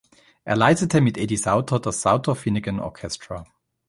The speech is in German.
Er leitete mit Eddie Sauter das Sauter-Finegan Orchestra.